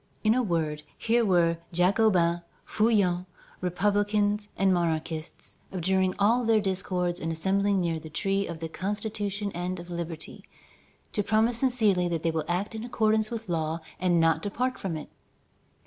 In a word, here were Jacobins, Feuillants, republicans, and monarchists, abjuring all their discords and assembling near the tree of the Constitution and of liberty, to promise sincerely that they will act in accordance with law and not depart from it.